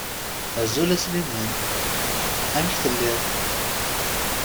Azul a Sliman. Amek telliḍ?